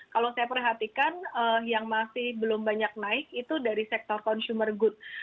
kalau saya perhatikan yang masih belum banyak naik itu dari sektor consumer good